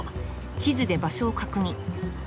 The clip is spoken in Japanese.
地図で場所を確認。